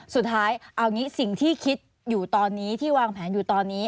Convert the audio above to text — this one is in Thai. สุดท้ายเอางี้สิ่งที่คิดอยู่ตอนนี้ที่วางแผนอยู่ตอนนี้